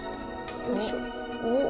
よいしょ。